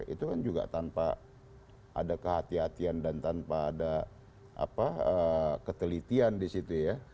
itu kan juga tanpa ada kehati hatian dan tanpa ada ketelitian disitu ya